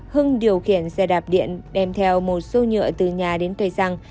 hưng đi xe đạp điện đem theo một xô nhựa từ nhà đến tuệ xăng